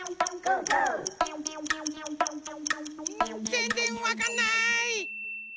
ぜんぜんわかんない！